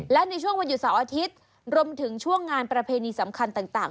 และในช่วงวันหยุดเสาร์อาทิตย์รวมถึงช่วงงานประเพณีสำคัญต่าง